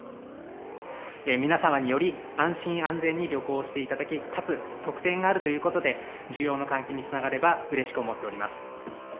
皆様により安心、安全に旅行していただき、かつ特典があるということで、需要の喚起につながればうれしく思っております。